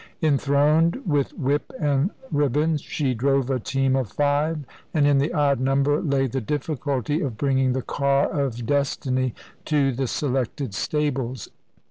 Enthroned with whip and ribbons, she drove a team of five. And in the odd number lay the difficulty of bringing the car of Destiny to the selected stables.